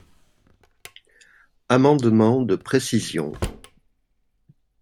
Amendement de précision.